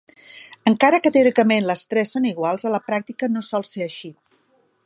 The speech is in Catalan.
Encara que, teòricament, les tres són iguals, a la pràctica no sol ser així.